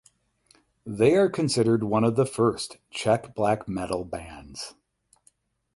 They are considered one of the first Czech black metal bands.